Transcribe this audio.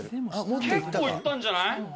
結構いったんじゃない？